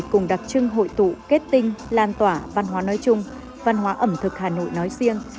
cùng đặc trưng hội tụ kết tinh lan tỏa văn hóa nói chung văn hóa ẩm thực hà nội nói riêng